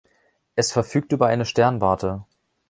Es verfügt über eine Sternwarte.